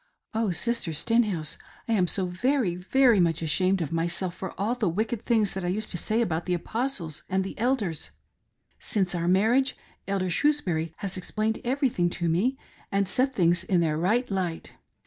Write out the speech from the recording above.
Oh, Sister Stenhouse, I am so very, very much ashamed of myself for all the wicked things that I used to say about the Apostles and the Elders. Since our mar riage, Elder Shrewsbury has explained everything to me and set things in their right light.